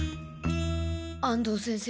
安藤先生